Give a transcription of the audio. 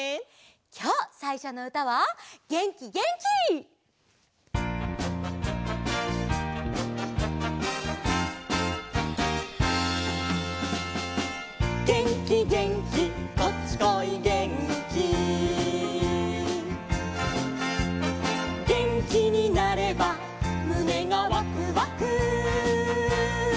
きょうさいしょのうたは「げんき・元気」！「げんきげんきこっちこいげんき」「げんきになればむねがワクワク」